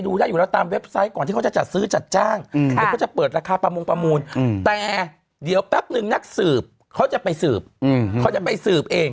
ได้อยู่แล้วตามเว็บไซต์ก่อนที่เขาจะจัดซื้อจัดจ้างเดี๋ยวเขาจะเปิดราคาประมงประมูลแต่เดี๋ยวแป๊บนึงนักสืบเขาจะไปสืบเขาจะไปสืบเอง